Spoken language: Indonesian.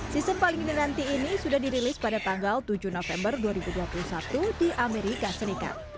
sistem paling dinanti ini sudah dirilis pada tanggal tujuh november dua ribu dua puluh satu di amerika serikat